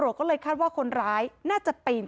หนูก็เลยแบบว่าต้องแกล้งพูดว่าเนี่ย